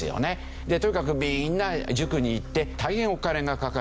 でとにかくみんな塾に行って大変お金がかかる。